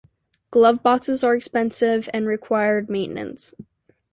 Glove boxes are expensive and require maintenance.